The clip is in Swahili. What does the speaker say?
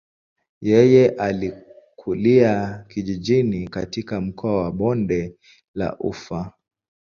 Yeye alikulia kijijini katika mkoa wa bonde la ufa.